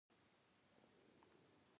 زما لاس دروند دی؛ حلاله ژر مړه نه کېږي.